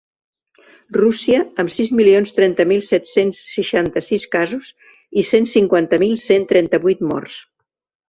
Rússia, amb sis milions trenta mil set-cents seixanta-sis casos i cent cinquanta mil cent trenta-vuit morts.